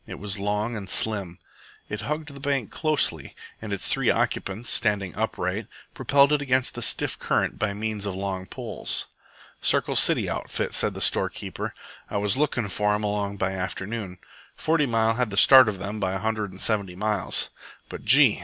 It was long and slim. It hugged the bank closely, and its three occupants, standing upright, propelled it against the stiff current by means of long poles. "Circle City outfit," said the storekeeper. "I was lookin' for 'em along by afternoon. Forty Mile had the start of them by a hundred and seventy miles. But gee!